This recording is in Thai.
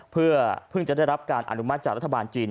เพื่อเพิ่งจะได้รับการอนุมัติจากรัฐบาลจีน